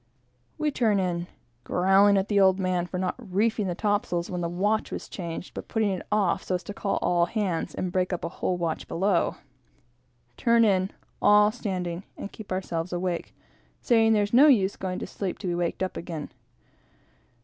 We turn in, growling at the "old man" for not reefing the topsails when the watch was changed, but putting it off so as to call all hands, and break up a whole watch below. Turn in "all standing," and keep ourselves awake, saying there is no use in going asleep to be waked up again.